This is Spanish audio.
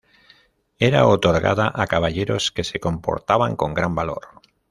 Era otorgada a caballeros que se comportaban con gran valor.